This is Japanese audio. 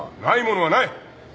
ないものはない。